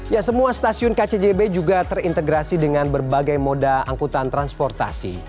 ya semua stasiun kcjb juga terintegrasi dengan berbagai moda angkutan transportasi